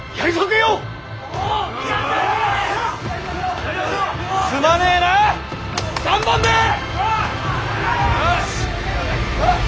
よし。